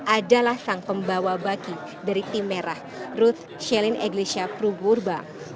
adalah sang pembawa baki dari tim merah ruth shelin eglisha pruburba